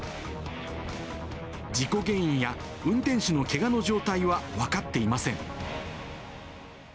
事故原因や運転手のけがの状態は分かっていません。